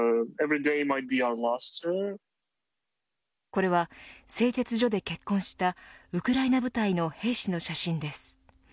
これは製鉄所で結婚したウクライナ部隊の兵士の写真です。